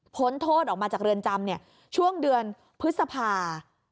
โทษออกมาจากเรือนจำช่วงเดือนพฤษภา